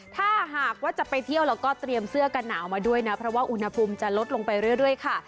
ถ้าหากว่าจะไปเที่ยวแล้วก็เตรียมเสื้อกันหนาวมาด้วยนะเพราะว่าอุณหภูมิจะลดลงไปเรื่อยค่ะ